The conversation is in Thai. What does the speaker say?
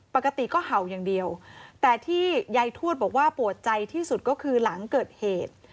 ปกติก็เห่าอย่างเดียวแต่ที่ยายทวดบอกว่าปวดใจที่สุดก็คือหลังเกิดเหตุ